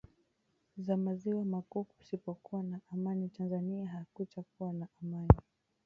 za maziwa makuu kusipokuwa na amani tanzania hakutakuwa na amani